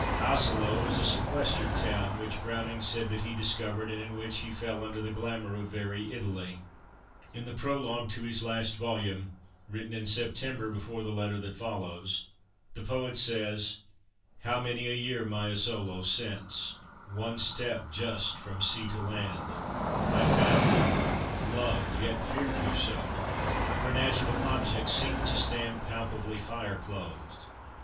Asolo is a sequestered town, which Browning said that he discovered, and in which he fell under the glamour of very Italy. In the prologue to his last volume, written in September before the letter that follows, the poet says: "How many a year, my Asolo, Since one step just from sea to land I found you, loved, yet feared you so For natural objects seemed to stand Palpably fire clothed!"